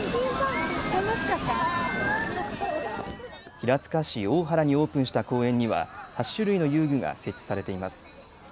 平塚市大原にオープンした公園には８種類の遊具が設置されています。